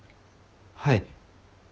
はい。